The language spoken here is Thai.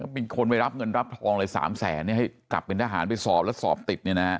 เป็นคนไปรับเงินรับทองเลยสามแสนเนี่ยให้กลับเป็นทหารไปสอบแล้วสอบติดเนี่ยนะ